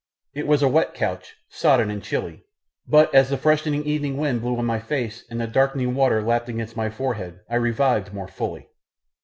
It was a wet couch, sodden and chilly, but as the freshening evening wind blew on my face and the darkening water lapped against my forehead I revived more fully.